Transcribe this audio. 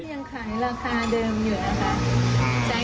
ใช้คำว่าถั่วเฉลี่ย